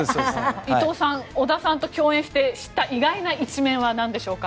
伊藤さん織田さんと共演して知った意外な一面は何でしょうか。